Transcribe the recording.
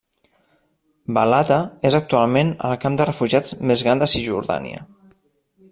Balata és actualment el camp de refugiats més gran de Cisjordània.